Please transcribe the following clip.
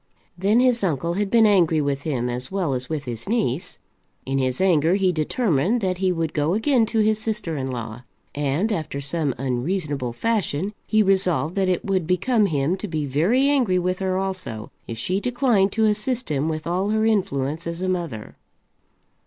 Then his uncle had been angry with him, as well as with his niece. In his anger he determined that he would go again to his sister in law, and, after some unreasonable fashion, he resolved that it would become him to be very angry with her also, if she declined to assist him with all her influence as a mother.